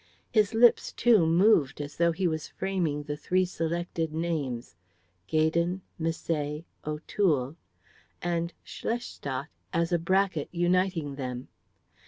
His lips, too, moved as though he was framing the three selected names, Gaydon, Misset, O'Toole, and "Schlestadt" as a bracket uniting them.